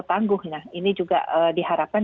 tangguh ini juga diharapkan